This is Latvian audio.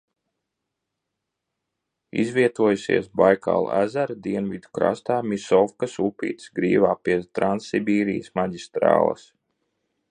Izvietojusies Baikāla ezera dienvidu krastā Misovkas upītes grīvā pie Transsibīrijas maģistrāles.